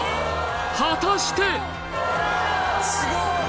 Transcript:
果たして！